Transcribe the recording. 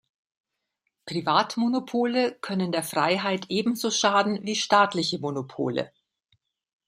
Privatmonopole können der Freiheit ebenso schaden wie staatliche Monopole.